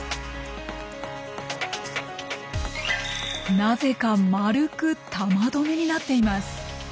なぜか丸く玉留めになっています。